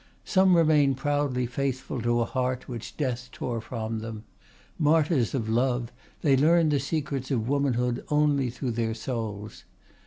Some remain proudly faithful to a heart which death tore from them; martyrs of love, they learn the secrets of womanhood only though their souls.